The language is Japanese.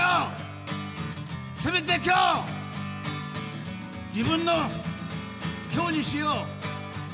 せめて今日自分の今日にしよう。